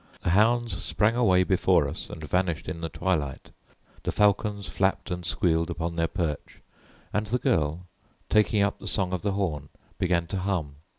The hounds sprang away before us and vanished in the twilight, the falcons flapped and squealed upon their perch, and the girl, taking up the song of the horn, began to hum.